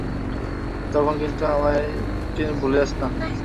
তখন কিন্তু আমায় ভুলে যাস না?